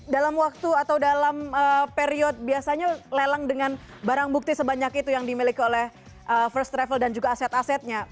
dalam waktu atau dalam period biasanya lelang dengan barang bukti sebanyak itu yang dimiliki oleh first travel dan juga aset asetnya